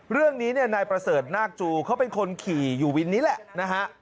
เรื่องนี้เนี่ยนายประเสริฐนาคจูเขาเป็นคนขี่อยู่วินนี้แหละนะฮะ